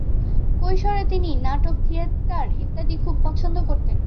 কৈশোরে তিনি নাটক থিয়েটার ইত্যাদি খুব পছন্দ করতেন।